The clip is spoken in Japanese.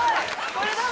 これだ。